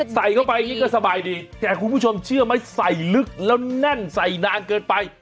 ใส่เข้าไปก็สบายดีแต่คุณผู้ชมเชื่อมั้ยใส่ลึกแล้วแน่นใส่นานเกิดไป